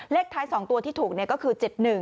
เลขท้าย๒ตัวที่ถูกก็คือ๗๑